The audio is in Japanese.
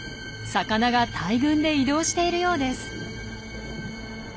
魚が大群で移動しているようです。